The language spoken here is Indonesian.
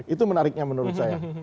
itu menariknya menurut saya